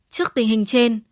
trước tình hình trên